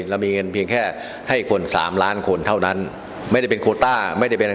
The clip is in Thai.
เรามีเงินเพียงแค่ให้คนสามล้านคนเท่านั้นไม่ได้เป็นโคต้าไม่ได้เป็นอะไร